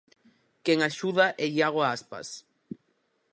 Quen axuda é Iago Aspas.